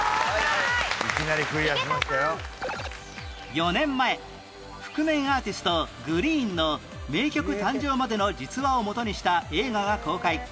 ４年前覆面アーティスト ＧＲｅｅｅｅＮ の名曲誕生までの実話を基にした映画が公開